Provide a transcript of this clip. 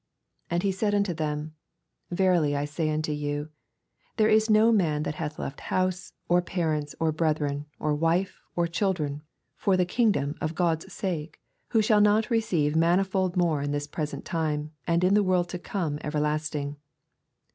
29 And he said unto them, Verily I say unto you, There is no man that hatn left house, or parents, or breth ren, or wife, or children, for the kingdom of God's sake, 30 Who shall not receive manifold more in this present time, and in the world to come life everlasting.